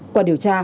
quả điều tra